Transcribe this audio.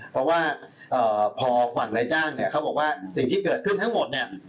เพราะว่าพอฝั่งนายจ้างเนี่ยเขาบอกว่าสิ่งที่เกิดขึ้นทั้งหมดเนี่ย